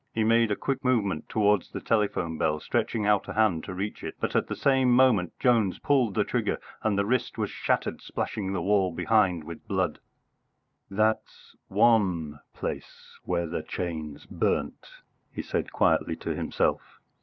He made a quick movement towards the telephone bell, stretching out a hand to reach it, but at the same moment Jones pulled the trigger and the wrist was shattered, splashing the wall behind with blood. "That's one place where the chains burnt," he said quietly to himself.